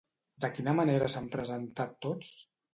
De quina manera s'han presentat tots?